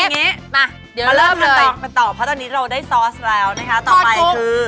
อ๋ออย่างงี้มาให้เริ่มแล้วเลยเดี๋ยวเริ่มต่อไปต่อเพราะตอนนี้เราได้ซอสแล้วนะคะต่อไปคือ